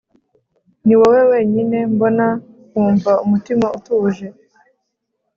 ni wowe wenyine mbona nkumva umutima utuje